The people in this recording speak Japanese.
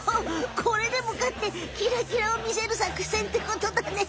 これでもかってキラキラをみせるさくせんってことだね。